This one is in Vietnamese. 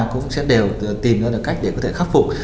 cũng sẽ đều tìm ra là cách để có thể khắc phục